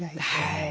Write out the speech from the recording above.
はい。